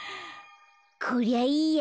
こりゃいいや。